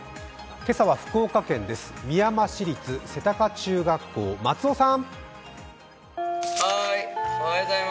今朝は福岡県ですみやま市立瀬高中学校松尾さん。